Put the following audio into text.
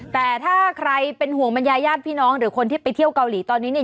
แต่ถ้าใครเป็นห่วงบรรยายญาติพี่น้องหรือคนที่ไปเที่ยวเกาหลีตอนนี้เนี่ย